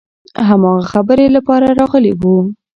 هماغه خبرې لپاره راغلي وو.